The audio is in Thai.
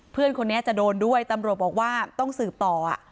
เพื่อนคนนี้จะโดนด้วยตำรวจบอกว่าต้องสืบต่อ